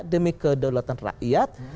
demi kedaulatan rakyat